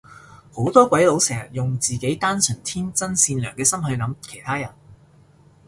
好多鬼佬成日都用自己單純天真善良嘅心去諗其他人